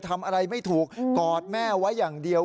ทำอะไรไม่ถูกกอดแม่ไว้อย่างเดียว